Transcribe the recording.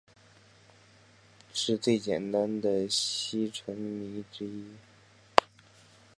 是最简单的烯醇醚之一。